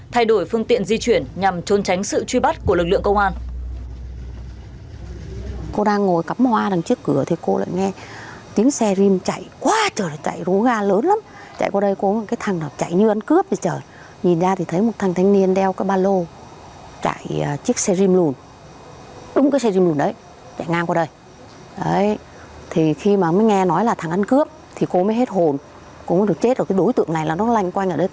thay đổi phương tiện di chuyển nhằm trôn tránh sự truy bắt của lực lượng công an